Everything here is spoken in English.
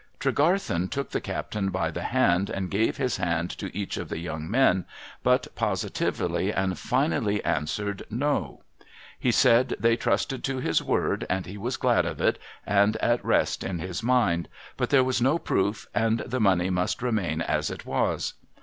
Tregarthen took the captain by the hand, and gave his hand to each of the young men, but positively and finally answered No. He said, they trusted to his word, and he was glad of it, and at rest in his mind ; but there was no proof, and the money must remain as it was.